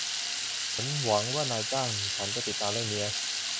ฉันหวงัว่านายจ้างฉันจะติดตามเรื่องนี้นะ